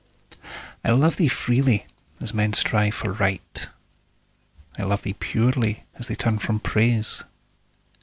I love thee freely, as men strive for Right; I love thee purely, as they turn from Praise.